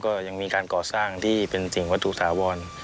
ก็ยังมีการก่อสร้างที่เป็นสิ่งวัตถุถาวร